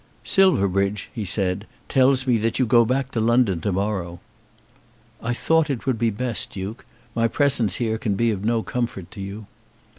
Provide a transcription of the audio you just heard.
"Silverbridge," he said, "tells me that you go back to London to morrow." "I thought it would be best, Duke. My presence here can be of no comfort to you."